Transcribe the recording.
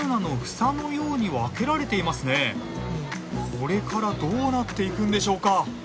これからどうなっていくんでしょうか？